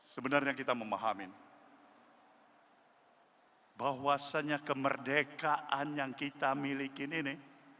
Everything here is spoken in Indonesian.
sebenarnya kita memahami bahwasannya kemerdekaan yang kita miliki ini